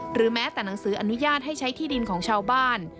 หรือแม้แต่หนังสืออนุญาตให้ใช้ที่ดินของชาวบ้าน